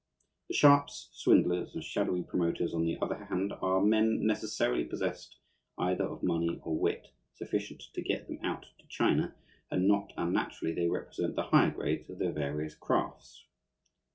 The sharps, swindlers, and shadowy promoters, on the other hand, are men necessarily possessed either of money or wit sufficient to get them out to China, and not unnaturally they represent the higher grades of their various crafts.